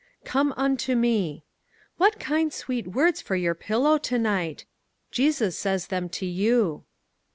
"* Come unto me.' What kind, sweet words for your pillow to night! Jesus says them to you."